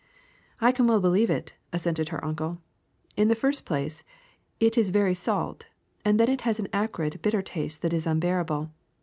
"I can well believe it,'^ assented her uncle. "In the first place, it is very salt, and then it has an acrid, bitter taste that is unbearable.